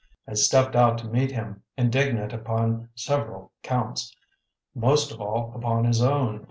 I stepped out to meet him, indignant upon several counts, most of all upon his own.